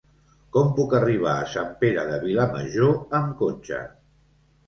Com puc arribar a Sant Pere de Vilamajor amb cotxe?